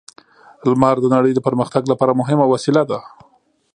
لمر د نړۍ د پرمختګ لپاره مهمه وسیله ده.